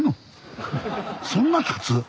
そんな建つ？